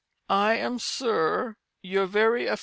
I am Sir your very Aff.